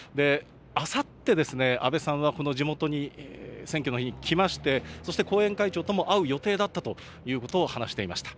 あさって、安倍さんはこの地元に選挙の日、来まして、そして後援会長とも会う予定だったということを話していました。